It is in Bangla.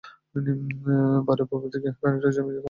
বাড়ির পুবদিকে খানিকটা জমি খালে পড়িয়া আছে।